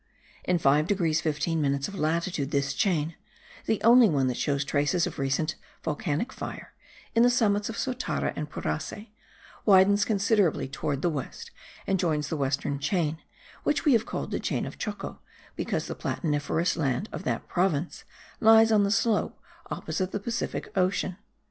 In 5 degrees 15 minutes of latitude this chain, the only one that shows traces of recent volcanic fire, in the summits of Sotara and Purace, widens considerably towards the west, and joins the western chain, which we have called the chain of Choco, because the platiniferous land of that province lies on the slope opposite the Pacific ocean.